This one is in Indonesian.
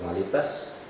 ini adalah formalitas